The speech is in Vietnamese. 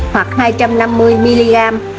cho người nhỏ